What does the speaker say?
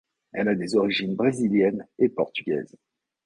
Elle a des origines brésiliennes et portugaises.